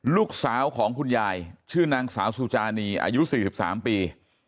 ลูกชายของคุณยายชื่อนางสาวสุจานีอายุ๔๓ปี